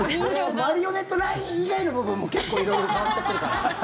マリオネットライン以外の部分も結構色々変わっちゃってるから。